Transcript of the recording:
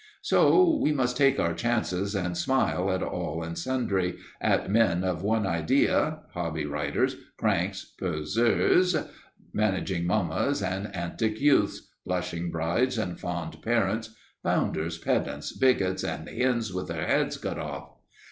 So we must take our chances and smile at all and sundry, at men of one idea, hobby riders, cranks, poseurs, managing mammas and antic youths, blushing brides and fond parents, bounders, pedants, bigots and hens with their heads cut off.